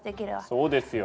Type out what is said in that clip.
そうですよ。